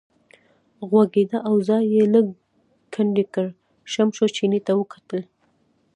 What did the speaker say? غوږېده او ځای یې لږ کندې کړ، شمشو چیني ته وکتل.